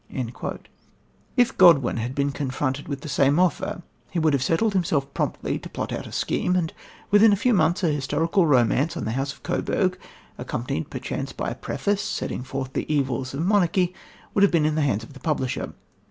" If Godwin had been confronted with the same offer, he would have settled himself promptly to plot out a scheme, and within a few months a historical romance on the house of Coburg, accompanied perchance by a preface setting forth the evils of monarchy, would have been in the hands of the publisher.